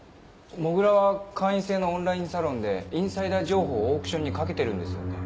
土竜は会員制のオンラインサロンでインサイダー情報をオークションにかけてるんですよね？